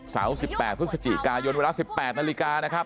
๑๘พฤศจิกายนเวลา๑๘นาฬิกานะครับ